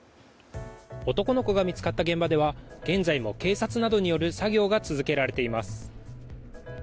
男の子が見つかった現場では現在も警察などによる作業が続けられています。